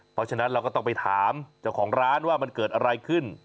เพราะฉะนั้นเราก็ต้องไปถามเจ้าของร้านว่ามันเกิดอะไรขึ้น